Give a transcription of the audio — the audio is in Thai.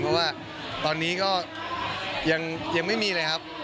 เพราะว่าตอนนี้ก็ยังไม่มีเลยครับ